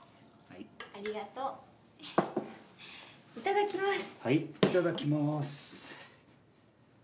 はいいただきます。